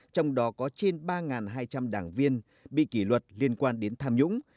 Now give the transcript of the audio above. trong đó có trên ba hai trăm linh đảng viên bị kỷ luật liên quan đến tham nhũng